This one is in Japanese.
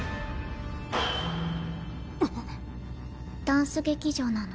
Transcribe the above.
ダンス劇場なの。